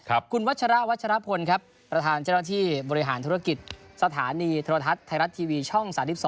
คุณวัชระวัชรพลครับประธานเจ้าหน้าที่บริหารธุรกิจสถานีโทรทัศน์ไทยรัฐทีวีช่อง๓๒